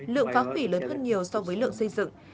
lượng phá hủy lớn hơn nhiều so với lượng xây dựng